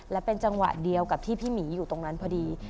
และเป็นจังหวะเดียวกับที่พี่หมีอยู่ตรงนั้นพอดี